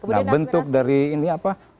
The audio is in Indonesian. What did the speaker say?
nah bentuk dari ini apa